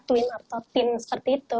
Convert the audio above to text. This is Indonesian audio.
twin atau tim seperti itu